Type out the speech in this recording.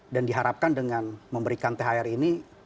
dan diharapkan dengan memberikan thr ini